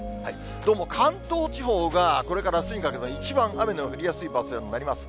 どうも関東地方がこれからあすにかけて、一番雨の降りやすい場所にもなります。